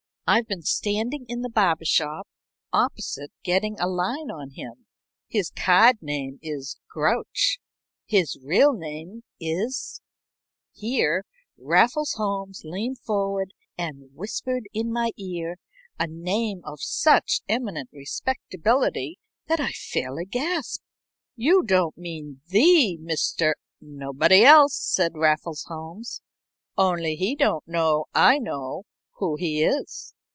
I've been standing in the barber shop opposite getting a line on him. His card name is Grouch, his real name is " Here Raffles Holmes leaned forward and whispered in my ear a name of such eminent respectability that I fairly gasped. "You don't mean the Mr. " "Nobody else," said Raffles Holmes. "Only he don't know I know who he is.